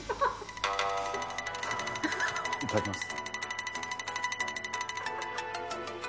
いただきます。